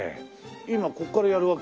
今ここからやるわけ？